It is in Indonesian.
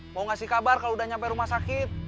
mau ngasih kabar kalau udah nyampe rumah sakit